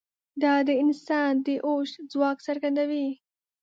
دا د انسان د هوښ ځواک څرګندوي.